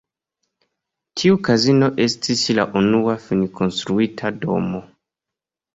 Tiu kazino estis la unua finkonstruita domo.